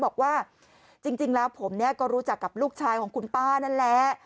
บอกว่าจริงแล้วผมเนี่ยก็รู้จักกับลูกชายของคุณป้านั่นแหละ